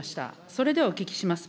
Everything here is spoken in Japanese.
それではお聞きします。